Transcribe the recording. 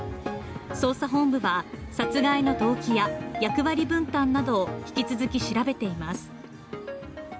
捜査本部は殺害の動機や役割分担などを引き続き調べています。